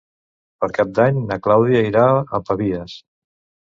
Per Cap d'Any na Clàudia irà a Pavies.